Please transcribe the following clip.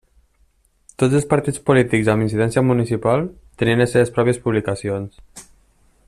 Tots els partits polítics amb incidència municipal tenien les seves pròpies publicacions.